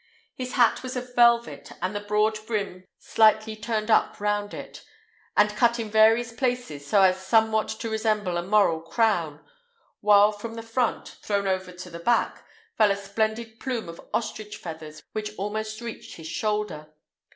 His hat was of velvet, with the broad brim slightly turned up round it, and cut in various places so as somewhat to resemble a moral crown, while from the front, thrown over to the back, fell a splendid plume of ostrich feathers which almost reached his shoulder.